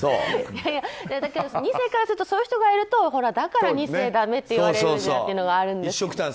２世からするとそういう人がいるとだから２世だめって言われるっていうのがあるんです。